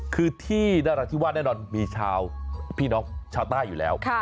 คือที่นราธิวาสแน่นอนมีชาวพี่น้องชาวใต้อยู่แล้ว